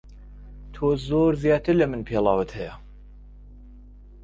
تۆ زۆر زیاتر لە من پێڵاوت ھەیە.